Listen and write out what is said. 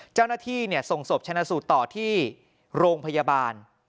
เจ้าหน้าที่ส่งศพชนะสูตรต่อที่โรงพยาบาล